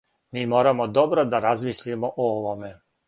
Ми морамо добро да размислимо о овоме.